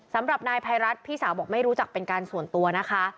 สำหรับนายภัยรัฐพี่สาวบอกไม่รู้จักเป็นการส่วนตัวนะคะ